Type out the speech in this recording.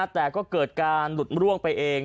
แต่ก็เกิดการหลุดร่วงไปเอง